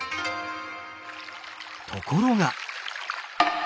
ところが！